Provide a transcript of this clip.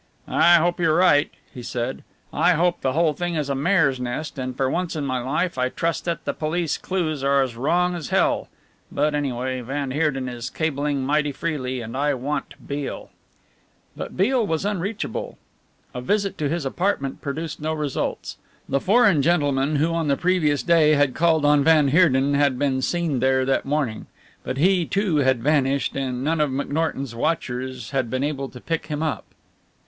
"I hope you're right," he said. "I hope the whole thing is a mare's nest and for once in my life I trust that the police clues are as wrong as hell. But, anyway, van Heerden is cabling mighty freely and I want Beale!" But Beale was unreachable. A visit to his apartment produced no results. The "foreign gentleman" who on the previous day had called on van Heerden had been seen there that morning, but he, too, had vanished, and none of McNorton's watchers had been able to pick him up.